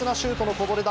こぼれた！